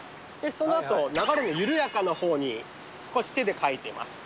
そのあと流れの緩やかなほうに、手でかいてます。